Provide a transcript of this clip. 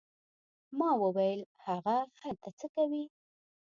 ما وویل: هغه هلته څه کوي؟